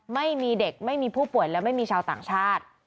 ไม่มีเด็กไม่มีผู้ป่วยและไม่มีชาวต่างชาติ